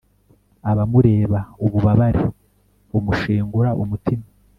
abamureba ububabare bumushengura umutima